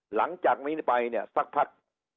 หลังจากนี้ไปเนี่ยสักพัก